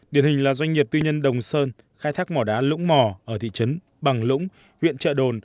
điển hình là doanh nghiệp tư nhân đồng sơn khai thác mỏ đá lũng mò ở thị trấn bằng lũng huyện trợ đồn